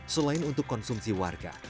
selain untuk konsumsi warga